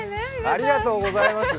ありがとうございます。